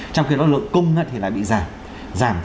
trong khi lượng cung thì lại bị giảm